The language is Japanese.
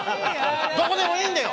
どこでもいいんだよ！